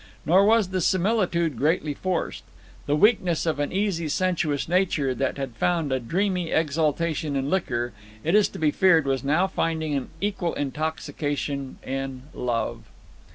Nor was the similitude greatly forced. The weakness of an easy, sensuous nature that had found a dreamy exaltation in liquor, it is to be feared was now finding an equal intoxication in love.